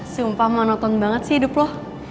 sumpah monoton banget sih hidup lo